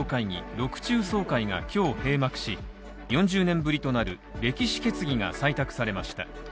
６中総会が今日閉幕し、４０年ぶりとなる歴史決議が採択されました。